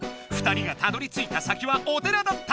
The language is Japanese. ２人がたどりついた先はお寺だった。